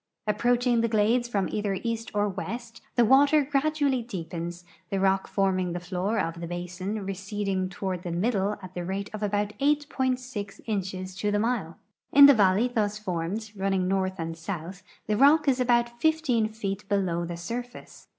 Approaching the glades from either east or west, the water gradually dee])ens, the rock forming the floor of the basin re ceding toward the middle at the rate of about 8.6 inches to the mile. In the valley thus formed, running north and south, the rock is about 15 feet below the surface.